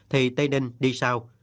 thì tây ninh đi sao